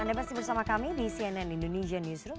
anda masih bersama kami di cnn indonesia newsroom